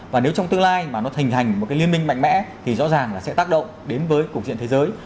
và nếu trong tương lai mà nó thành hành một cái liên minh mạnh mẽ thì rõ ràng là sẽ tác động đến với cục diện thế giới